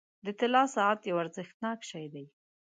• د طلا ساعت یو ارزښتناک شی دی.